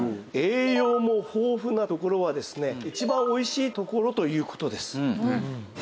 栄養の豊富なところはですね一番おいしいところという事です。